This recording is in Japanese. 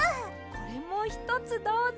これもひとつどうぞ。